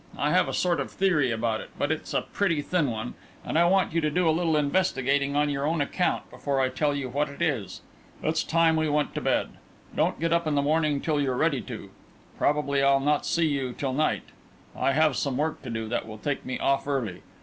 I have a sort of theory about it; but it's a pretty thin one, and I want you to do a little investigating on your own account before I tell you what it is. It's time we went to bed. Don't get up in the morning till you're ready to. Probably I'll not see you till night; I have some work to do that will take me off early.